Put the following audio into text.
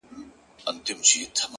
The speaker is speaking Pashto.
دومره تیاره ده